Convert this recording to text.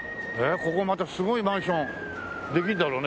ここまたすごいマンションできるんだろうね